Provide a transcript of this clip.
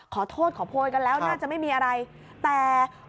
ขอโทษขอโพยกันแล้วน่าจะไม่มีอะไรแต่